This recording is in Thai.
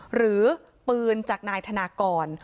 หรือปืนจากนายธนากร